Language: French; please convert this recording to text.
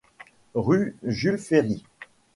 Rue Jules Ferry.